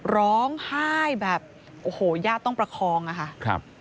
ร้องไห้แบบโอ้โหย่าต้องประคองอ่ะค่ะ